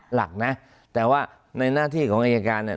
หลักนะแต่ว่าในหน้าที่ของอายการเนี่ย